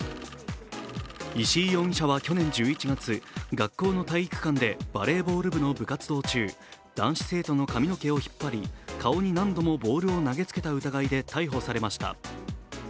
石井容疑者は去年１１月、学校の体育館でバレーボール部の部活動中男子生徒の髪の毛を引っ張り顔に何度もボールを投げつけた疑いで逮捕されました。